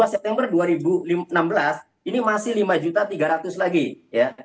dua september dua ribu enam belas ini masih lima tiga ratus lagi ya